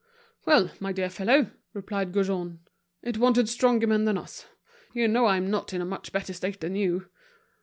"Well, my dear fellow," replied Gaujean, "it wanted stronger men than us. You know I'm not in a much better state than you."